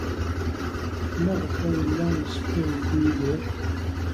Maɣef ay yella yessefk ad yeddu Yidir?